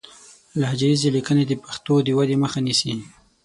لهجه ييزې ليکنې د پښتو د ودې مخه نيسي